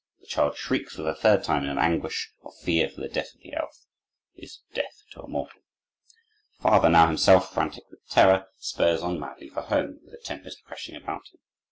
The child shrieks for the third time in an anguish of fear, for the touch of the elf is death to a mortal. The father, now himself frantic with terror, spurs on madly for home, with the tempest crashing about him.